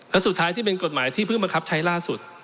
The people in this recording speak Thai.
และสุดท้ายที่เป็นกฎหมายที่เพิ่งบังคับใช้ล่าสุด